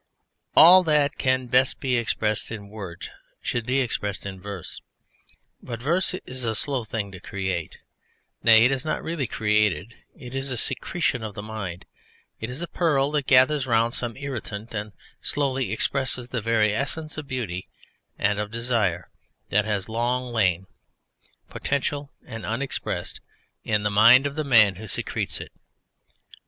All that can best be expressed in words should be expressed in verse, but verse is a slow thing to create; nay, it is not really created: it is a secretion of the mind, it is a pearl that gathers round some irritant and slowly expresses the very essence of beauty and of desire that has lain long, potential and unexpressed, in the mind of the man who secretes it.